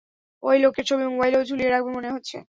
ওই লোকের ছবি মোবাইলেও ঝুলিয়ে রাখবে মনে হচ্ছে।